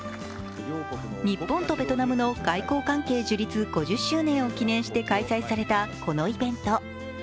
日本とベトナムの外交関係樹立５０周年を記念して開催されたこのイベント。